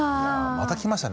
またきましたね。